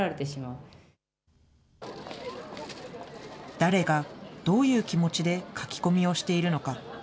誰がどういう気持ちで書き込みをしているのか。